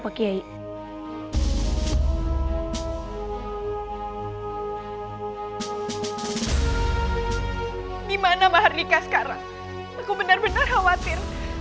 aku benar benar khawatir